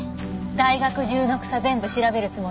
大学中の草全部調べるつもり？